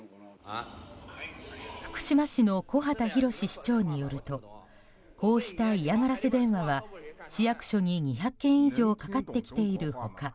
福島市の木幡浩市長によるとこうした嫌がらせ電話は市役所に２００件以上かかってきている他